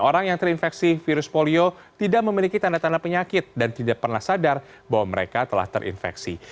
orang yang terinfeksi virus polio tidak memiliki tanda tanda penyakit dan tidak pernah sadar bahwa mereka telah terinfeksi